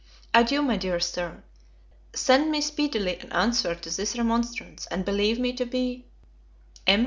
Adieu, my dear Sir; send me speedily an answer to this remonstrance, and believe me to be, c. M.